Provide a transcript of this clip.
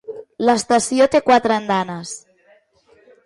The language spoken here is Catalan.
L'estació té quatre andanes.